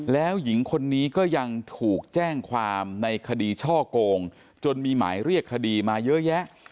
แล้วหญิงคนนี้ก็ยังถูกแจ้งความในคดีช่อโกงจนมีหมายเรียกคดีมาเยอะแยะ